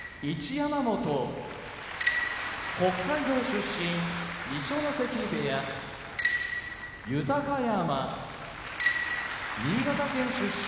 山本北海道出身二所ノ関部屋豊山新潟県出身